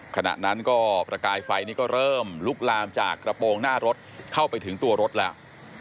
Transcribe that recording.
ขณะนั้นก็ประกายไฟนี่ก็เริ่มลุกลามจากกระโปรงหน้ารถเข้าไปถึงตัวรถแล้ว